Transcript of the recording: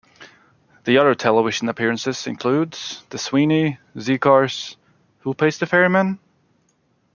Her other television appearances include "The Sweeney", "Z-Cars", "Who Pays the Ferryman?